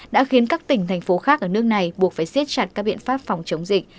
đã khiến các tỉnh thành phố khác ở nước này buộc phải siết chặt các biện pháp phòng chống dịch